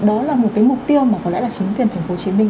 đó là một cái mục tiêu mà có lẽ là chính quyền thành phố hồ chí minh